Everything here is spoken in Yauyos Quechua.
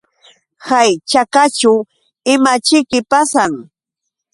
Hay chakaćhu ¿imaćhiki pasan?